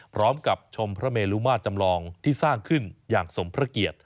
พร้อมกับชมพระเมลุมาตรจำลองที่สร้างขึ้นอย่างสมพระเกียรติ